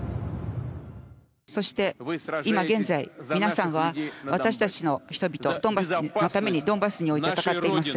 そして、今現在、皆さんは私たちの人々、ドンバスのために、ドンバスにおいて戦っています。